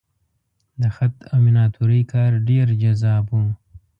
د خط او میناتورۍ کار ډېر جذاب و.